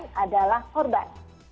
korban adalah korban